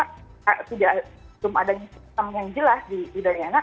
kalau belum ada sistem yang jelas di udayana